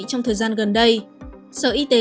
trong thời gian gần đây sở y tế